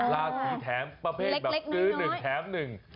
ราศีแถมประเภทแบบซื้อหนึ่งแถมหนึ่ง